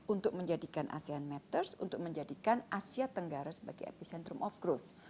untuk menjadikan asean matters untuk menjadikan asia tenggara sebagai epicentrum of growth